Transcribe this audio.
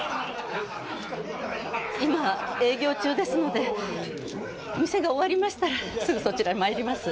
今営業中ですので店が終わりましたらすぐそちらへ参ります。